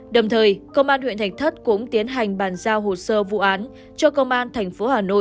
đồng thời công an huyện thạch thất cũng tiến hành bàn giao hồ sơ vụ án cho công an thành phố hà nội